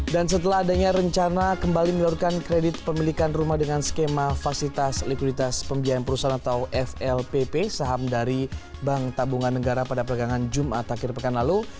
dan setelah adanya rencana kembali menyalurkan kredit pemilikan rumah dengan skema fasilitas likuiditas pembiayaan perusahaan atau flpp saham dari bank tabungan negara pada pelegangan jumat akhir pekan lalu